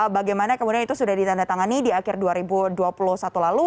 bagaimana kemudian itu sudah ditandatangani di akhir dua ribu dua puluh satu lalu